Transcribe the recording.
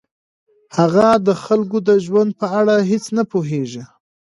هغه د خلکو د ژوند په اړه هیڅ نه پوهیږي.